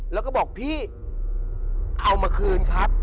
แล้วก็บอกพี่เอามาคืนครับ